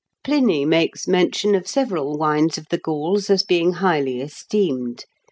Pliny makes mention of several wines of the Gauls as being highly esteemed.